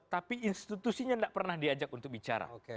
tapi institusinya tidak pernah diajak untuk bicara